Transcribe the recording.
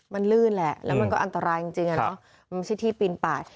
มันลื่นแหละแล้วมันก็อันตรายจริงอ่ะเนอะมันไม่ใช่ที่ปีนป่า